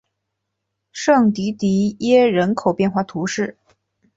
圣迪迪耶人口变化图示